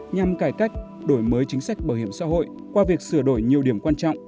nhằm cải cách đổi mới chính sách bảo hiểm xã hội qua việc sửa đổi nhiều điểm quan trọng